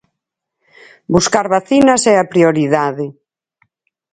Buscar vacinas é a prioridade.